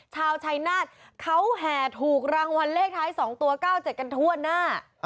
ชาวชัยนาฏเขาแห่ถูกรางวัลเลขท้าย๒ตัว๙๗กันทั่วหน้า